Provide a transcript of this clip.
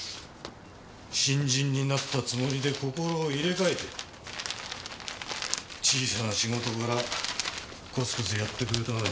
新人になったつもりで心を入れ替えて小さな仕事からコツコツやってくれたまえ